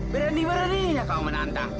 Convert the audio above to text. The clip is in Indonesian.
berani beraninya kamu menantang